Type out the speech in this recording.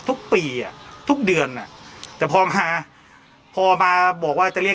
ทุกปีอ่ะทุกเดือนอ่ะแต่พอมาพอมาบอกว่าจะเรียก